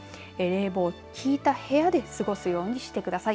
冷房効いた部屋で過ごすようにしてください。